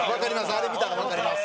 あれ見たら、わかります。